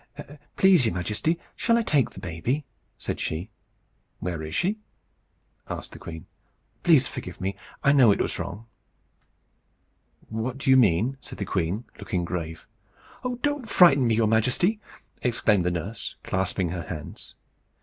"Please, your Majesty, shall I take the baby?" said she. "Where is she?" asked the queen. "Please forgive me. I know it was wrong." "What do you mean?" said the queen, looking grave. "Oh! don't frighten me, your Majesty!" exclaimed the nurse, clasping her hands.